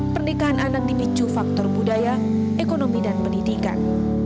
pernikahan anak dipicu faktor budaya ekonomi dan pendidikan